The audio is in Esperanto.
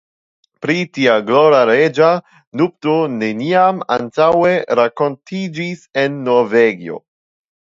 Pri tia glora reĝa nupto neniam antaŭe rakontiĝis en Norvegio.